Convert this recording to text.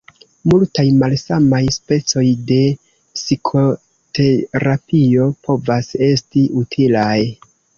Multaj malsamaj specoj de psikoterapio povas esti utilaj.